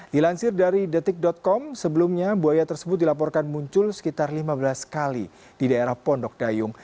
dilansir dari detik com sebelumnya buaya tersebut dilaporkan muncul sekitar lima belas kali di daerah pondok dayung